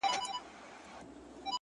هغه نن بيا د واويلا خاوند دی ـ